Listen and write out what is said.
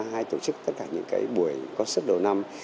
người ta hay tổ chức tất cả những cái buổi có sức đầu năm